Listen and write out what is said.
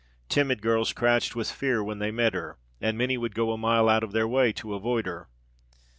Timid girls crouched with fear when they met her, and many would go a mile out of their way to avoid her.